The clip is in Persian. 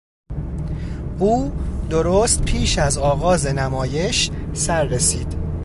او درست پیش از آغاز نمایش سر رسید.